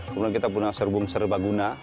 kemudian kita punya serbung serbaguna